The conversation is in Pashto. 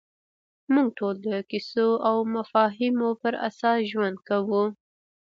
موږ ټول د کیسو او مفاهیمو پر اساس ژوند کوو.